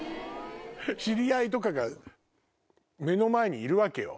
知り合いとかが目の前にいるわけよ。